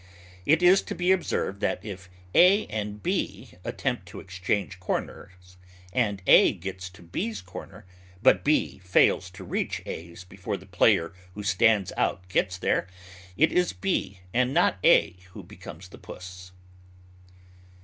It is to be observed, that if A and B attempt to exchange corners, and A gets to B's corner, but B fails to reach A's before the player who stands out gets there, it is B and not A who becomes Puss.